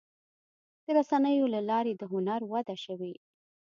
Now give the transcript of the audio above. د رسنیو له لارې د هنر وده شوې.